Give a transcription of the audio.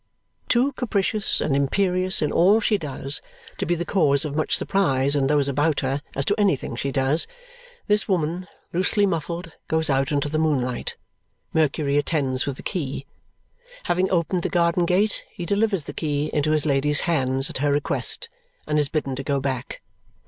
Too capricious and imperious in all she does to be the cause of much surprise in those about her as to anything she does, this woman, loosely muffled, goes out into the moonlight. Mercury attends with the key. Having opened the garden gate, he delivers the key into his Lady's hands at her request and is bidden to go back.